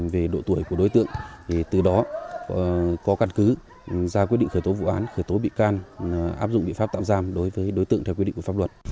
về độ tuổi của đối tượng thì từ đó có căn cứ ra quyết định khởi tố vụ án khởi tố bị can áp dụng biện pháp tạm giam đối với đối tượng theo quy định của pháp luật